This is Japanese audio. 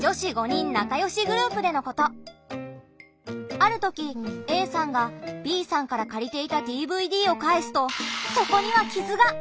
ある時ＡさんがＢさんからかりていたＤＶＤをかえすとそこには傷が！